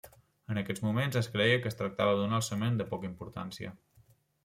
En aquests moments es creia que es tractava d'un alçament de poca importància.